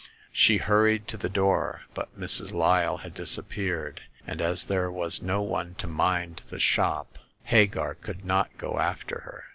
She hurried to the door, but Mrs. Lyle had disap peared, and as there was no one to mind the shop, Hagar could not go after her.